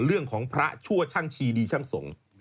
เรื่องของพระชั่วช่างชีดีช่างสงฆ์